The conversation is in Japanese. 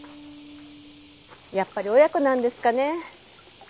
やっぱり親子なんですかね。